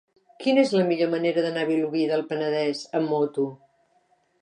Quina és la millor manera d'anar a Vilobí del Penedès amb moto?